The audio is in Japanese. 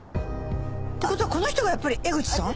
って事はこの人がやっぱりエグチさん？